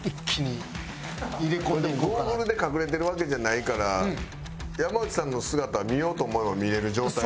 でもゴーグルで隠れてるわけじゃないから山内さんの姿見ようと思えば見れる状態。